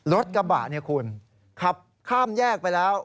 รถกระบะเนี่ยคุณขับข้ามแยกไปแล้ว